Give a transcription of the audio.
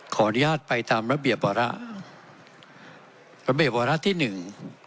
ขออนุญาตไปตามระเบียบวาระระเบียบวาระที่หนึ่ง